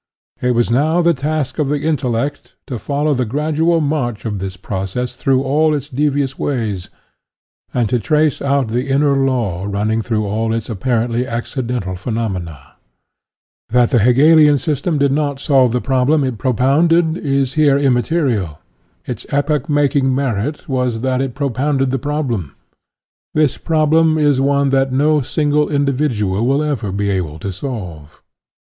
It was now the task of the intellect to follow the gradual march of this process through all its devious ways, and to trace out the inner law running through all its apparently accidental phe nomena. That the Hegelian system did not solve 86 SOCIALISM the problem it propounded is here imma terial. Its epoch making merit was that it propounded the problem. This problem is one that no single individual will ever be able to solve.